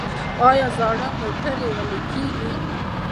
آیا زاړه موټرې ویلې کیږي؟